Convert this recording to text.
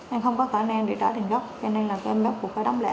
em không có khả năng để trả tiền góp cho nên là em mất cuộc vay đóng lẻ